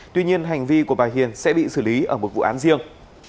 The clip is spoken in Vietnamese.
tuy nhiên hành vi của bà hiền sẽ bị xử lý ở một vụ án riêng